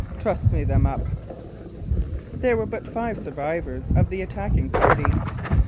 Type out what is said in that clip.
Truss me them up." There were but five survivors of the attacking party.